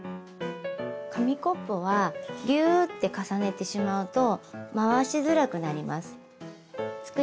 紙コップはギューって重ねてしまうと回しづらくなります。